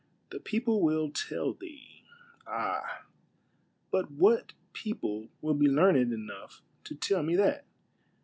" The people will tell thee." Ah, but what people will be learned enough to tell me that?